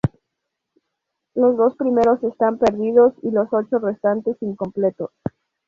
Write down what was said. Los dos primeros están perdidos, y los ocho restantes incompletos.